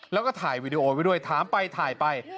แล้วก็ถ่ายวีดีโอไว้ด้วยถามไปถ่ายไป